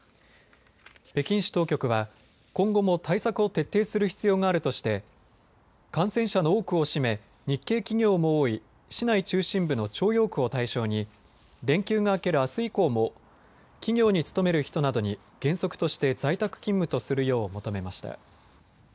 北京市当局は今後も対策を徹底する必要があるとして感染者の多くを占め日系企業も多い市内中心部の朝陽区を対象に連休が明ける、あす以降も企業に勤める人などに原則として在宅勤務とするよう求めました。